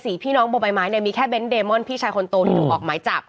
พี่น้องโบใบไม้เนี่ยมีแค่เน้นเดมอนพี่ชายคนโตที่ถูกออกหมายจับ